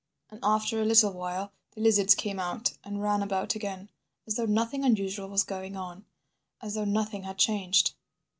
And after a little while the lizards came out and ran about again, as though nothing unusual was going on, as though nothing had changed